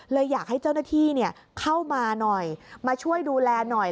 อยากให้เจ้าหน้าที่เข้ามาหน่อยมาช่วยดูแลหน่อย